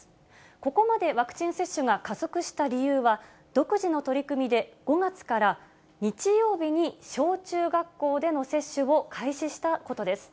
ここまでワクチン接種が加速した理由は、独自の取り組みで５月から、日曜日に小中学校での接種を開始したことです。